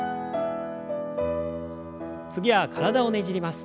次は体をねじります。